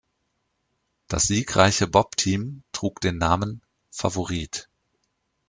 Das siegreiche Bobteam trug den Namen „Favorit“.